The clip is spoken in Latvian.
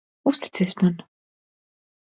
Uzticies man.